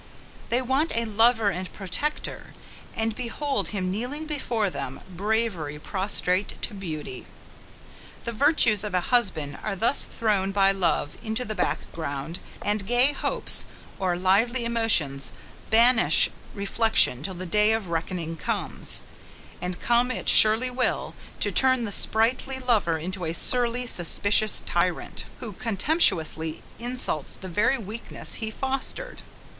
They want a lover and protector: and behold him kneeling before them bravery prostrate to beauty! The virtues of a husband are thus thrown by love into the background, and gay hopes, or lively emotions, banish reflection till the day of reckoning comes; and come it surely will, to turn the sprightly lover into a surly suspicious tyrant, who contemptuously insults the very weakness he fostered.